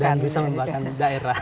dan bisa membanggakan daerah